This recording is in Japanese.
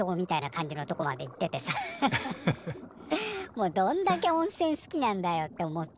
もうどんだけ温泉好きなんだよって思って。